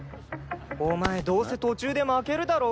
「お前どうせ途中で負けるだろ。